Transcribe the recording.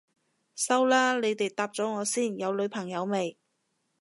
收啦，你哋答咗我先，有女朋友未？